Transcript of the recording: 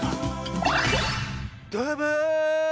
どうも。